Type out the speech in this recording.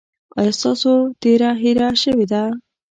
ایا ستاسو تیره هیره شوې ده؟